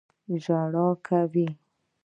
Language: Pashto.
ژوند کاوه.